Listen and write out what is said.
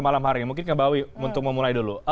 malam hari mungkin ngebawi untuk memulai dulu